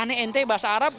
ane ente bahasa arab